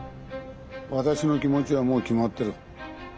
私の気持ちはもう決まってる。